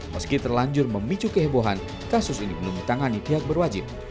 meski terlanjur memicu kehebohan kasus ini belum ditangani pihak berwajib